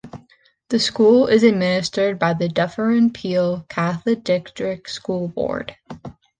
The school is administered by the Dufferin-Peel Catholic District School Board.